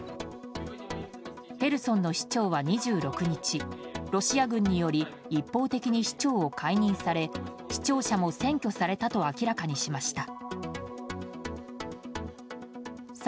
ヘルソンの市長は２６日ロシア軍により一方的に市長を解任され市庁舎も占拠されたと明らかにしました。